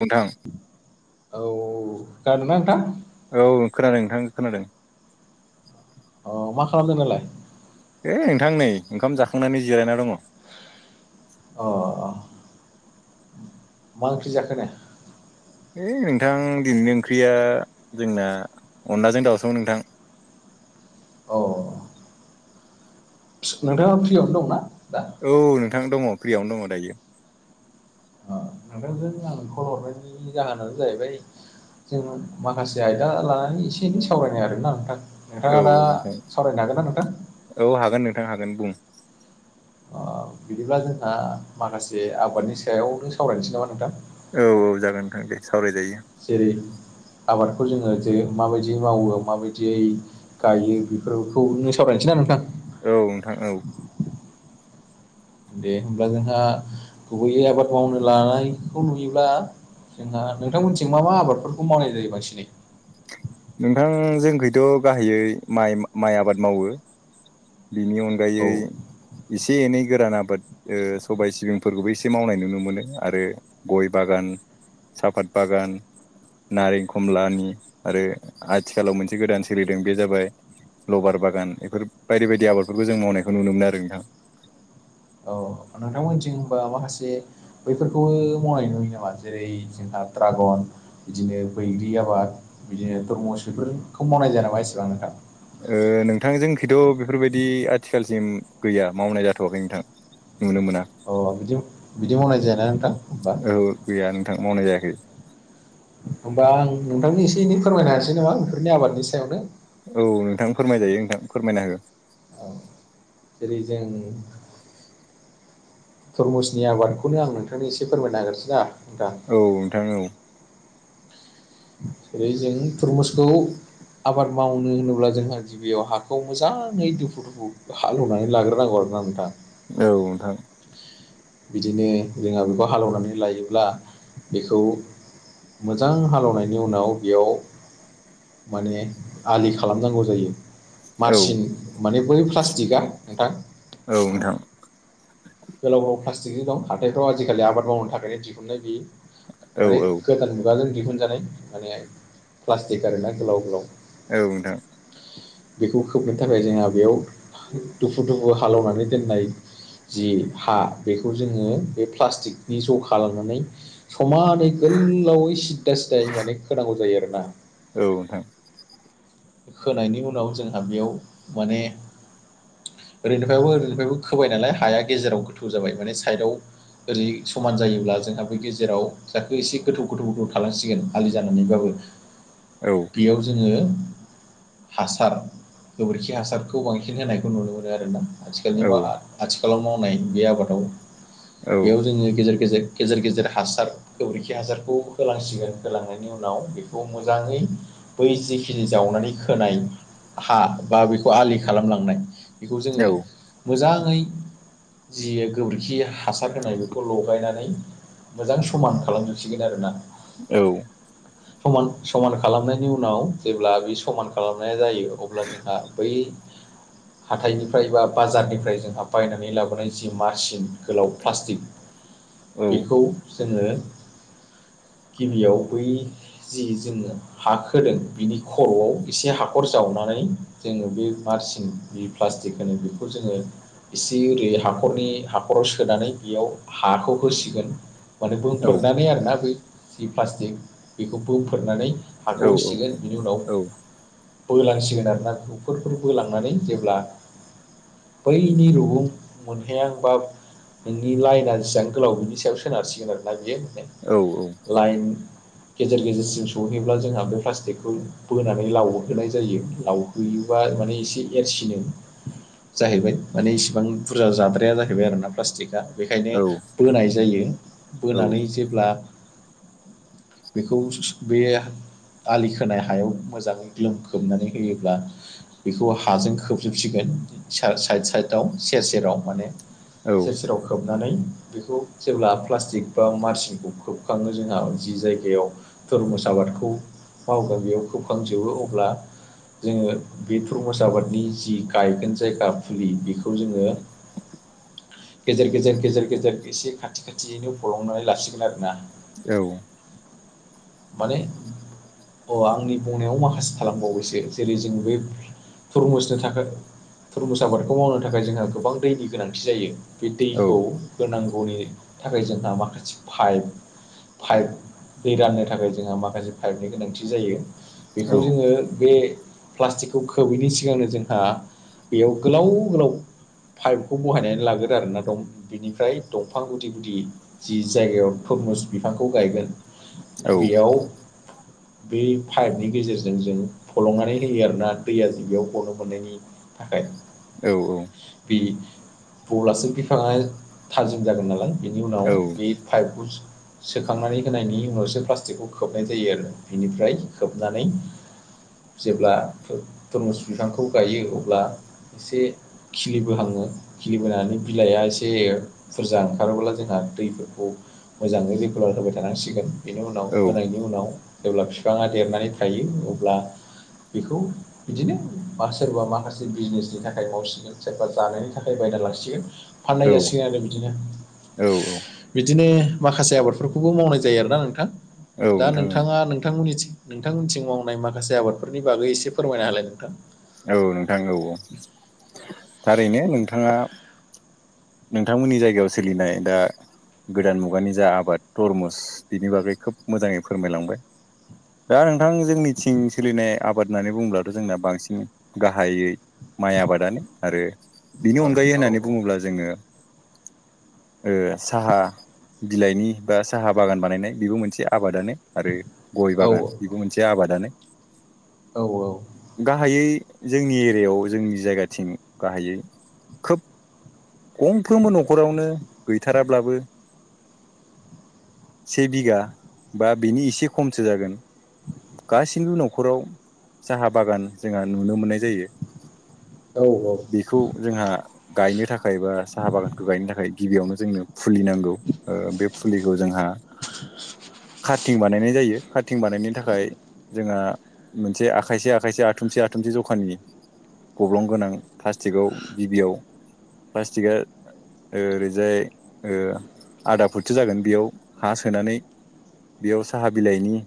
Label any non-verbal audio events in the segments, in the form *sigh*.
नोंथां औ खोनादों ना नोंथां? औ खोनादों नोंथां खोनादों। अ मा खालामदों दालाय? है नोंथां नै ओंखाम जाखांनानै जिरायना दङ। अ अ मा ओंख्रि जाखो नो? है नोंथां दिनैनि ओंख्रिया जोंना अनलाजों दाउसोमोन नोंथां। औ नोंथाङा फ्रियावनो दंना दा? औ नोंथां दङ फ्रियावनो दङ दायो। ओ नोंथांजों आं खल हरनायनि जाहोनानो जाहैबाय जों माखासे आयदा लानानै एसे एनै सावरायनाय आरोना नोंथां। नोंथाङा औ दा औ नोंथां सावरायनो हागोन ना नोंथां? औ हागोन नोंथां हागोन बुं। अ बिदिब्ला जोंहा माखासे आबादनि सायावनो सावरायनोसै नामा नोंथां। औ औ जागोन नोंथां दे सावरायजायो। जेरै आबादखौ जोङो जे माबायदियै मावो माबायदियै गायो बेफोरखौनो सावरायनोसै ना नोंथां। औ नोंथां औ दे होमब्ला जोंहा गुबैयै आबाद मावनो लानायखौ नुयोब्ला जोंहा नोंथांमोनथिं मा मा आबादफोरखौ मावनाय जायो बांसिनै? नोंथां जोंखैथ' गाहायै माइ माइ आबाद मावो। बेनि औ अनगायै एसे एनै गोरान आबाद ओ सबाय सिबिंफोरखौबो एसे मावनाय नुनो मोनो आरो गय बागान साफात बागान नारें खमलानि आरो आथिखालाव मोनसे गोदान सोलिदों बे जाबाय लबार बागान बेफोर बायदि बायदि आबादफोरखौ जों मावनायखौ नुनो मोनो आरो नोंथां। औ नोंथांमोनथिं होनबा माखासे बैफोरखौबो मावनाय नुयो नामा जेरै जोंहा ड्रागन बिदिनो बैग्रि आबाद बिदिनो तरमस बेफोरो मावनाय जाया नामा एसेबां नोंथां? ओ नोंथां जोंखिथ' बेफोरबायदि आथिखालसिम गैया मावनाय जाथ'वाखै नोंथां। नुनो मोना अ बिदि बिदि मावनाय जायाना नोंथां? होमबा औ गैया नोंथां मावनाय जायाखै। होमबा आं नोंथांनो एसे एनै फोरमायनो हानोसै नामा बेफोरनि आबादनि सायावनो। औ नोंथां फोरमायजायो नोंथां फोरमायनो हो। औ जेरै जों थधरमुसनि आबादखौनो आं नोंथांनो एसे फोरमायना होगोरसैना नोंथां औ नोंथां औ जेरै जों तुरमुसखौ आबाद मावनो होनोब्ला जोंहा गिबियाव हाखौ मोजाङै दुफु दुफु हालौ ना लाग्रो नांगौ आरो ना नोंथां। औ नोंथां। बिदिनो जोंहा बेखौ हालेवनानै लायोब्ला बेखौ मोजां हालेनायनि उनाव बेयाव माने आलि खालामनांगौ जायो मारसिन माने बै प्लास्टिकआ नोंथां औ नोंथां। गोलाव गोलाव प्लास्टिकनि दं हाथायफ्राव आजिखालि आबाद मावनो थाखायनो दिहुननाय बियो। औ माने नोंथां औ गोदान मुगाजों दिहुनजानाय माने प्लास्टिक आरो ना गोलाव गोलाव औ नोंथां। बेखौ खोबनो थाखाय जोंहा बेयाव दुफु दुफु हालेवनानै दोननाय जि हा बेखौ जोङो बे प्लास्टिकनि ज' खालामनानै समानै गोलावै सिददा सिदाय माने होनोनांगौ जायो आरोना औ नोंथां। खोनायनि उनाव जोंहा बेयाव माने ओरैनिफ्रायबो ओरैनिफ्रायबो खोबाय नालाय हाया गेजेराव गोथौ जाबाय माने साइदआव ओरै समान जायोब्ला जोंहा बे गेजेराव जाखो एसे गोथौ गोथौ गोथौ थालांसिगोन हालि जानानैबाबो ज औ। बेयाव जोङो हासार गोबोरखि हासारखौ बांसिन होनायखौ नुनो मोनो आरोना आथिखालनि औ मा आथिखालाव मावनाय बे आबादाव बेयाव जोङो गेजेर गेजेर गेजेर गेजेर हासार गोबोरिखि हासारखौ होलांसिगोन होलांनायनि उनाव बेखौ मोजाङै बै जिखिनि जावनानै खोनाय हा बा बेखौ आलि खालामलांनाय बेखौ औ जोङो मोजाङै जि गोबोरखि हासार होनाय बेखौ लगायनानै मोजां समान खालामजोबसिगोन आरोना औ। समान समान खालामनायनि उनाव जेब्ला बै स समान खालामनाय जायो अब्ला जोंहा बै हाथाइनिफ्राय बा बाजारनिफ्राय जोंहा बायनानै लाबोनाय जि मारसिन गोलाव प्लास्टिक औ बेखौ जोङो गिबियाव बै जि जोंङो हााख होदों बिनि खर'आव एसे हाखर जावनानै जोङो बे मारसिं बि प्लास्टिक होनो बेखौ जोङो इसे ओरै हाखरनि हाखराव सोनानै बेयाव हाखौ होसिगोन। माने औ बोनफोरनानै आरोना बै जि प्लास्टिक बेखौ बोनफोरनानै औ हाखौ होसिगोन। बिनि उनाव बोलांसिगोन आरोना फोर फोर बोलांनानै जेब्ला बैनि रुगुं मोनहैयांबा नोंनि लाइना जसां गोलाव बिनि सायाव सोनारसिगोन आरो ना बियो। औ औ। लाइन गेजेर गेजेरसिम सहैब्ला जोंहा बे प्लास्टिक बे बोनानै लावहोनाय जायो लावहोयोबा माने एसे एरसिनो जाहैबाय माने इसिबां बुरजा जाद्राया जाहैबाय आरो ना प्लास्टिकआ बेखायनो बोनाय जायो औ बोनानै जेब्ला बेखौ बे आलिखौ होनाय हायाव मोजाङै ग्लोम खोबनानै होयोब्ला बेखौ हाजों खोबजोबसिगोन साइद साइदआव सेर सेराव माने औ सेर सेरावखा खोबनानै बेखौ जेब्ला प्लास्टिक बा मारसिनखौ खोबखाङो जोंहा जि जायगायाव धर्मस आबादखौ माव गामियाव खोबखांजोबो अब्ला जोङो बे प्रमस आबादनि जि गायगोन जायगा फुलि बेखौ जोङो गेजेर गेजेर गेजेर गेजेर एसे खाथि खाथियैनो फलंनानै लासिगोन आरो ना। औ माने आंनि बुंनायाव माखासे खालामबावैसो जेरै जों बे थुरमुसनो थाखाय थुरमुस आबादखौ मावनो थाखाय जोंहा गोबां दैनि गोनांथि जायो। बि दैखौ होनांगौनि थाखाय जोंहा माखासे पाइ पाइप दै रान नि थाखाय जोंहा माखासे पाइपनि गोनांथि जायो बेखौ जोङो बे प्लास्टिकखौ खोबैनि सिगांनो जोंहा बेयाव गोलाव गोलाव पाइपखौ बहायनानै लाग्रो आरोोना दं बिनिफ्राय दंफां गुदि गुदि जि जायगायाव तरमुस बिफांखौ गायगोन बेयाव बे पाइपनि गेजेरजों जों फलंनानै होयो आरोना दैया जों बेयाव फनो मोननायनि थाखाय औ औ बे बलासो बिफाङा थाजिम जागोन नालाय बिनि उनाव बे फाइपखौ सोखांनानै होनायनि उनावसो प्लास्टिकखौ खोबनाय जायो आरो बिनिफ्राय खोबनानै जेब्ला थरमुस बिफांखौ गायो अब्ला एसे खिलिबोहाङो खिलिबोनानै बिलाइआ एसे बुरजा ओंखारोब्ला जोंहा दैफोरखौ मोजाङै रेगुलार होबाय थानांसिगोन बेनि उनाव औ होनायनि उनाव जेब्ला बिफाङा देरनानै थायो अब्ला बेखौ बिदिनो बा सोरबा माखासे बिजनेसनि थाखाय मावसिनो सोरबा जानायनि थाखाय बायना लासिगोन फाननाय जासिगोन आरो बिदिनो औ बिदिनो माखासे आबादफोरखौबो मावनाय जायो आरोना न नोंथां दा नोंथां नोंथाङा औ नोंथांमोननिथिं नोंथांमोनथिं मावनाय माखासे आबादफोरनि बागै एसे फोरमायना होलाय नोंथां। औ नोंथां औ औ थारैनो नोंथाङा नोंथांमोननि जायगायाव सोलिनाय दा गोदान मुगानि जा आबाद तरमुस बिनि बागै खोब मोजाङै फोरमायलांबाय दा नोंथां जोंनिथिं सोलिनाय आबाद होननानै बुङ्लाथ' जोंना बांसिन गाहायै माइ आबादानो आरो बिनि औ अनगायै औ होननानै बुङोब्ला। जोङो साहा बिलाइनि बा साहा बागान बानायनाय बेबो मोनसे आबादानो आरो गय औ बागान बेबो मोनसे आबादानो औ औ गाहायै जोंनि एरियायाव जोंनि जायगाथिं गाहायै खोब गंफ्रोमबो न'खरावनो गैथाराब्लाबो से बिघा बा बेनि एसे खमसो जागोन। गाससिबो न'खराव साहा बागान जोंहा नुनो मोननाय जायो। औ औ बेखौ जोंहा गायनो थाखाय बा साहा बागानखौ गायनो थाखाय गिबियावनो जोंनो फुलिनांगौ ओ बे फुलिखौ जोंहा कार्टिं बानायनाय जायो कारटिं बानायनो थाखाय जोंहा मोनसे आखायसे आखायसे आथुमसे आथुमसे जखानि गब्लं गोनां प्लास्टिकआव गिबियाव प्लास्टिकआ ओरैजाय ओ आदा फुटसो जागोन बेयाव हा सोनानै बेयाव साहा बिलाइनि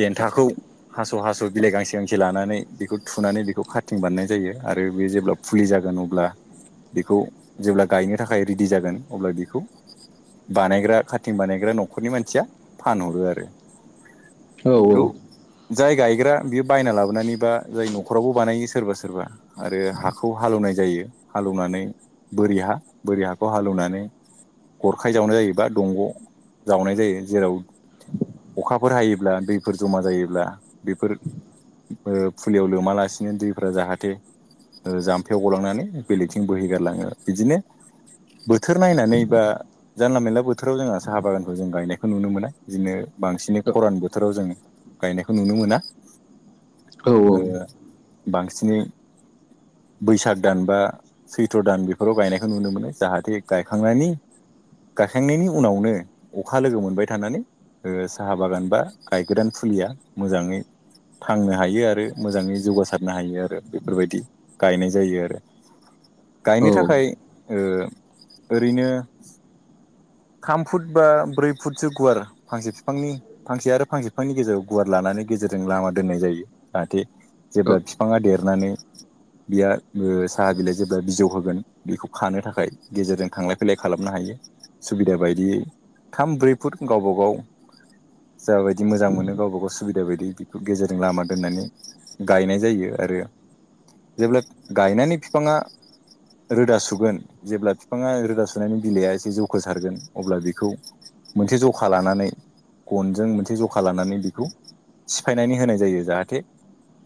देन्थाखौ हास' हास' बिलाइ गांसे गांसे लानानै बेखौ थुनानै बेखौ खाारथिं बानायनाय जायो आरो बे जेब्ला फुलि जागोन अब्ला बेखौ जेब्ला गायनो थाखाय रेडि जागोन अब्ला बेखौ बानायग्रा खाारथिं बानायग्रा न'खरनि मानसिया फानहरो आरो औ बेखौ जाय गायग्रा बेयो बायना लाबोनानैबा जाय न'खरावबो बानायो सोरबा सोरबा आरो हाखौ हालौवनाय जायो हालौवनानै बोरि हा बोरि हाखौ हालौवनानै गरखाय जावनाय जायो बा दंग' जावनाय जायो जेराव अखाफोर हायोब्ला दैफोर जमा जायोब्ला बेफोर ओ फुलियाव लोमालासिनो दै फोरा जाहाथे जाम्फैयाव गलांनानै बेलेगथिं बोहैगारलाङो बिदिनो बोथोर नायनानै बा जानला मेनानला बोथोराव जोंहा साहा बागानखौ जों गायनायखौ नुनो मोना बिदिनो बांसिनै खरान बोथोराव जोङो गायनायखौ नुनो मोना औ ओ औ बांसिनै बैसाग दान बा सैथ्र' दान बेफोराव गायनायखौ नुनो मोनो जाहाथे गायखांनायनि गायखांनायनि उनावनो अखा लोगो मोनबाय थानानै ओ साहा बागान बा गायगोदान फुलिया मोजाङै थांङो आ हायो आरो मोजाङै जौगासारनो हायो आरो बेफोरबायदि गायनाय जायो आरो गायनो औ थाखाय ओ ओरैनो थाम फुट बा ब्रै फुटसो गुवार फांसे फिफांनि फांसे आरो फांसे फिफांनि गेजेराव गुवार लानानै गेजेरजों लामा दोननाय जायो जाहाथे जेब्ला फिफाङा देरनानै बिया साहा बिलाइ जेब्ला बिजौ होगोन बेखौ खानो थाखाय गेजेरजों थांलाय फैलाय खालामनो हायो सुबिदा बायदियै थाम ब्रै फुट गावबागाव जाबायदि मोजां मोनो गावबा गाव सुबिदा बायदिखौ गेजेरजों लामा दोननानै गायनाय जायो आरो जेब्ला गायनानै फिफाङा रोदा सुगोन जेब्ला फिफाङा रोदा सुनायनि बिलाइआ एसे जौखसारगोन अब्ला बेखौ मोनसे जखा लानानै गनजों मोनसे जखा लानानै बेखौ सिफायनानै होनाय जायो जाहाथे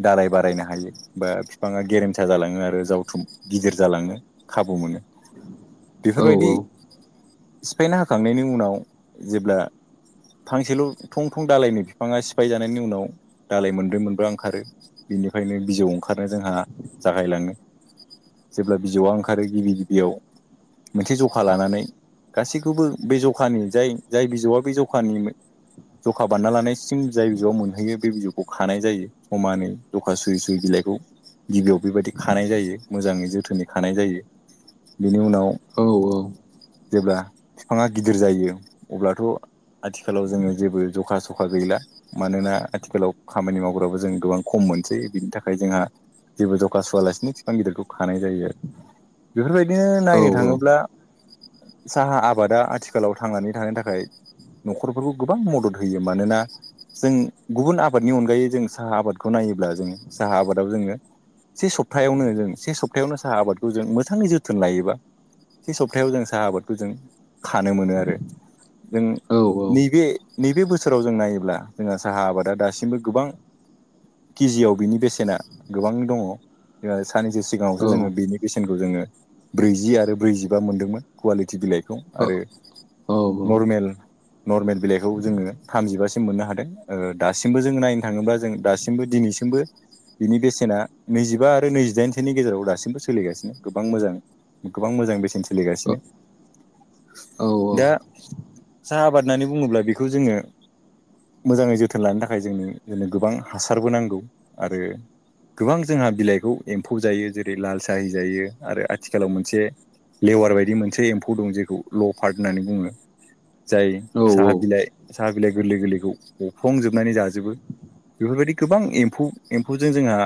दालाय बारायनो हायो बा फिफाङा गेरेमसा जालाङो आरो जावथुम गिदिर जालाङो खाबु मोनो बेफोरबायदि सिफायना होखांनायनि उनाव जेब्ला फांसेल' थं थं दालायनि फिफाङा सिफाय जानायनि उनाव दालाय मोनब्रै मोन बा ओंखारो बिनिफायनो बिजौ ओंखारनो जोंहा जागायलाङो जेब्ला बिजौआ ओंखारो गिबि गिबियाव मोनसे जखा लानानै गासैखौबो बे जखानि जाय जाय बिजौआ बे जखानि जखा बानना लानाय सिम जाय बिजौआव मोनहैयो बे बिजौखौ खानाय जायो समानै जखा सुयै सुयै बिलाइखौ गिबियाव बेबायदि खानाय जायो मोजाङै जोथोनै खानाय जायो बेनि उनाव जेब्ला फिफाङा गिदिर जायो अब्लाथ' आथिखालाव जोङो जेबो जखा सखा गैला मानोना आथिखालाव खामानि माव गाबो जों गोबां खम मोनसै बिनि थाखाय जोंहा जेबो जखा सुवालासिनो बिफां गिदिरखौ खानाय जायो बेफोरबायदि बिदिनो नायनो थाङोब्ला साहा आबादा आथिखालाव थांनानै थानो थाखाय न'खरफोरखौ गोबां मदद होयो मानोना जों गुबुन आबादनि अनगायै जों साहा आबादखौ नायोब्ला जोंङो साहा आबादाव जोंङो से सप्तायावनो जों से सप्तायावनो साहा आबादखौ जों मोजाङै जोथोन लायोबा से सप्तायाव जों साहा आबादखौ जों खानो मोनो आरो। जों नैबे नैबे बोसोराव जों नायोब्ला जोंहा साहा आबादा दासिमबो गोबां केजियाव बिनि बेसेना गोबां दङ साननैसो सिगाङावसो जोंङो बेनि बेसेनखौ जोंङो ब्रैजि आरो ब्रैजिबा मोन्दोंमोन कुवालिटि बिलाइ खौ आरो नरमेल नरमेल बिलाइखौ जोंङो थामजिबासिम मोननो हादों दासिमबो जोंङो नायनो थाङोबा जों दासिमबो दिनैसिमबो बिनि बेसेना नैजिबा आरो नैजिदाइनसोनि गेजेराव दासिमबो सोलिगासिनो गोबां मोजाङै गोबां मोजां बेसेन सोलिगासिनो दा साहा आबाद होननानै बुङोब्ला बेखौ जोंङो मोजाङै जोथोन लानो थाखाय जोंङो जोंनो गोबां हासारबो नांगौ आरो गोबां जोंहा बिलाइखौ एम्फौ जायो जेरै लाल साहि जायो आरो आथिखालाव मोनसे लेवार बायदि मोनसे एम्फौ दं जेखौ ल' पार्ट होननानै बुङो। जाय औ औ साहा औ बिलाइ साहा बिलाइ गोरलै गोरलैखौ अरफ्लंजोबनानै जाजोबो बेफोरबायदि गोबां एम्फौ एम्फौजों जोंहा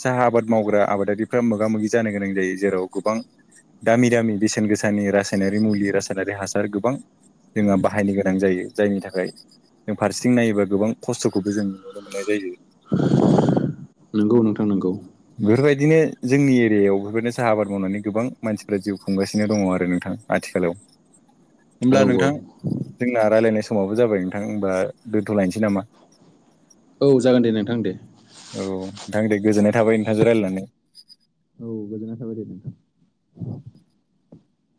साहा आबाद मावग्रा आबादारिफ्रा मोगा मोगि जानो गोनां जायो जेराव गोबां दामि दामि बेसेन गोसानि रासायनारि मुलि रासायनारि हासार गोबां जोंहा बाहायनो गोनां जायो जायनि थाखाय जों फारसेथिं नायोबा गोबां खस्थ'खौबो जों नुनो मोननाय जायो। नोंगौ नोंथां नोंगौ बेफोरबायदिनो जोंनि एरियायाव बेफोरबायदिनो साहा आबाद मावनानै गोबां मानसिफ्रा जिउ खुंगासिनो दङ आरो नोंथां। आथिखालाव *inaudible* होमब्ला औ नोंथां जोंना राय्लायनाय समावबो जाबाय नोंथां होमबा दोन्थ'लायनोसै नामा। औ जागोन दे नोंथां दे औ नोंथां दे गोजोननाय थाबाय नोंथांजों रायलायनानै औ गोजोननाय थाबाय दे नोंथां